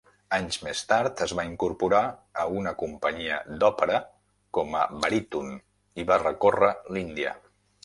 Anys més tard es va incorporar a una companyia d'òpera com a baríton i va recórrer l'Índia.